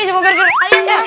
ini semua bergerak kalian ya